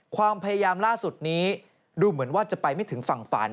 ความพยายามล่าสุดนี้ดูเหมือนว่าจะไปไม่ถึงฝั่งฝัน